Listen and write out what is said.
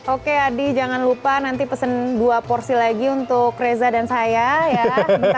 oke adi jangan lupa nanti pesen dua porsi lagi untuk reza dan saya ya